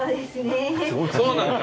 そうなんだ。